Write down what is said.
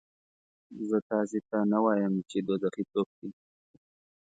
زه تاسې ته ونه وایم چې دوزخي څوک دي؟